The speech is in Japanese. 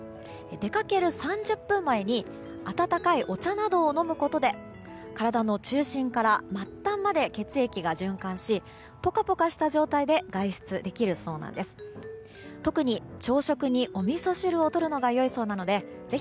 出かける３０分前に温かいお茶などを飲むことで体の中心から末端まで血液が循環しポカポカした状態で外出できるそうなんです。